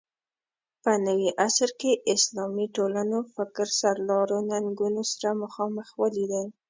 په نوي عصر کې اسلامي ټولنو فکر سرلارو ننګونو سره مخامخ ولیدل